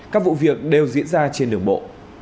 các vụ việc đều diễn ra trên đường bộ